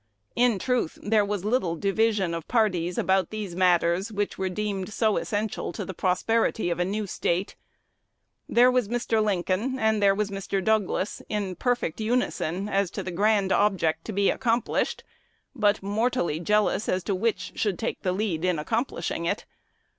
In truth, there was little division of parties about these matters which were deemed so essential to the prosperity of a new State. There was Mr. Lincoln, and there was Mr. Douglas, in perfect unison as to the grand object to be accomplished, but mortally jealous as to which should take the lead in accomplishing it.